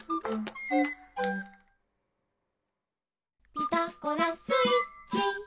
「ピタゴラスイッチ」